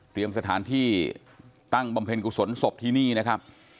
สถานที่ตั้งบำเพ็ญกุศลศพที่นี่นะครับ